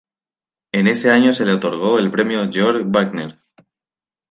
En ese año se le otorgó el premio Georg Büchner.